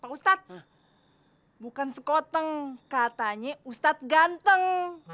pak ustadz bukan sekoteng katanya ustadz ganteng